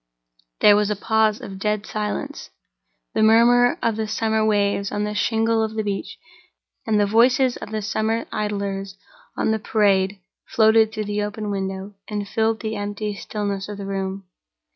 There was a pause of dead silence. The murmur of the summer waves on the shingle of the beach and the voices of the summer idlers on the Parade floated through the open window, and filled the empty stillness of the room.